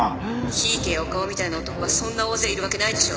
檜池や岡尾みたいな男がそんな大勢いるわけないでしょ。